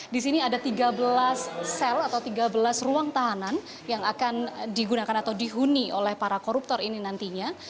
di sini ada tiga belas sel atau tiga belas ruang tahanan yang akan digunakan atau dihuni oleh para koruptor ini nantinya